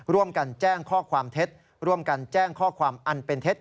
ร่วมกันแจ้งข้อความเท็จร่วมกันแจ้งข้อความอันเป็นเท็จ